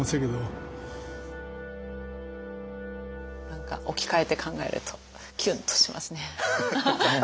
何か置き換えて考えるとキュンとしますね。